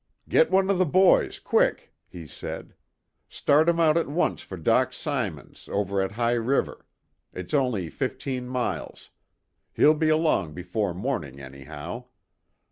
"Get one of the boys, quick," he said. "Start him out at once for Doc Symons, over at High River. It's only fifteen miles. He'll be along before morning anyhow.